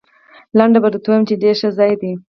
لنډ به درته ووایم، چې ډېر ښه ځای دی.